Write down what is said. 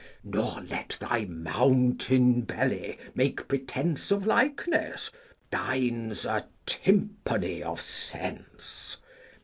Nor let thy mountain belly make pretence Of likeness ; thine 's a tympany of sense.